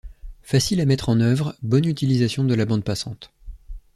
Facile à mettre en œuvre, bonne utilisation de la bande passante.